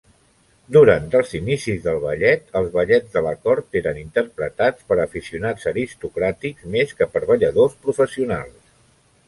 Durant els inicis del ballet, els ballets de la cort eren interpretats per aficionats aristocràtics més que per balladors professionals.